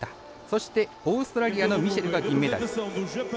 そして、オーストラリアのミシェルが銀メダル。